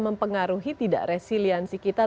mempengaruhi tidak resiliensi kita